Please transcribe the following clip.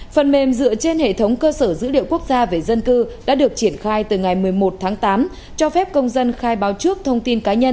phần mềm dựa trên hệ thống cơ sở dữ liệu quốc gia về dân cư đã được triển khai từ ngày một mươi một tháng tám cho phép công dân khai báo trước thông tin cá nhân